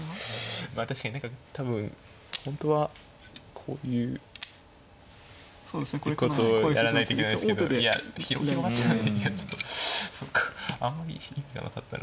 まあ確かに何か多分本当はこういうことをやらないといけないですけどいや広がっちゃっていやちょっとそっかあんまり意味が分かったら。